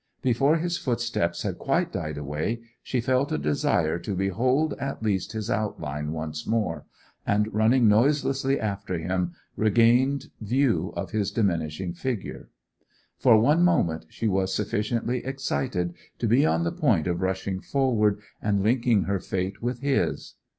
Before his footsteps had quite died away she felt a desire to behold at least his outline once more, and running noiselessly after him regained view of his diminishing figure. For one moment she was sufficiently excited to be on the point of rushing forward and linking her fate with his.